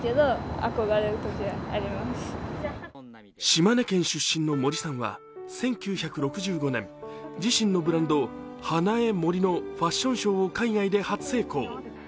島根県出身の森さんは１９６５年、自身のブランド、ＨＡＮＡＥＭＯＲＩのファッションショーを海外で初成功。